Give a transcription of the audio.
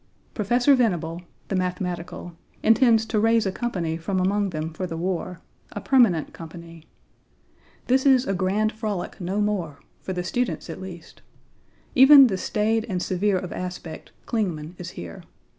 Professor Venable (the mathematical), intends to raise a company from among them for the war, a permanent company. This is a grand frolic no more for the students, at least. Even the staid and severe of aspect, Clingman, is here.